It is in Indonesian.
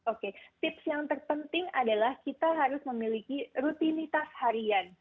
oke tips yang terpenting adalah kita harus memiliki rutinitas harian